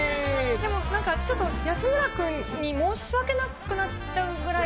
でもなんか、ちょっと安村君に申し訳なくなっちゃうぐらいの。